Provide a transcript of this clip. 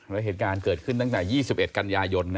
และเหตุการณ์เกิดขึ้นตั้งแต่๒๑กันยายน